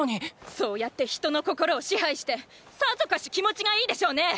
そうやって人の心を支配してさぞかし気持ちがいいでしょうねェ！